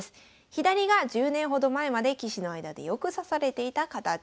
左が１０年ほど前まで棋士の間でよく指されていた形。